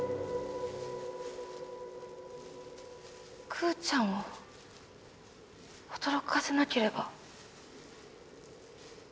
クーちゃんを驚かせなければ。